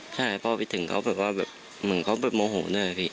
ใช่เพราะว่าพี่ถึงเขาเหมือนเขามอโหด้วย